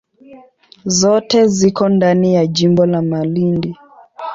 Zote ziko ndani ya jimbo la Malindi.